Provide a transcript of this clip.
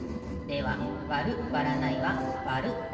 では「わる」「わらない」は「わる」だな。